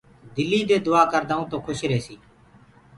دلي دي دُآآ ڪردون تو کُش ريهسي